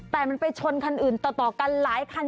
แต่มันไปชนคันอื่นต่อกันหลายคัน